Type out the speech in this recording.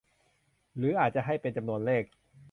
หรืออาจจะให้เป็นจำนวนเลข